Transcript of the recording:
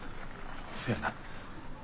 そやな。